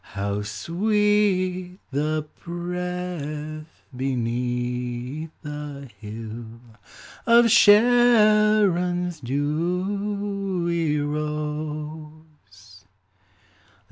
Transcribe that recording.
IIow sweet the breath beneath the hill Of Sharon's dewy rose